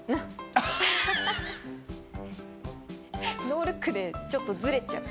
ノールックでちょっとズレちゃう。